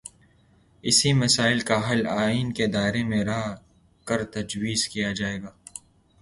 اس مسئلے کا حل آئین کے دائرے میں رہ کرتجویز کیا جائے گا۔